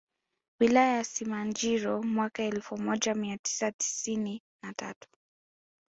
Wilaya ya Simanjiro mwaka elfu moja mia tisa tisini na tatu